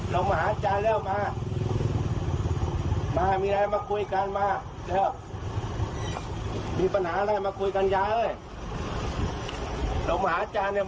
ลงมาลงมา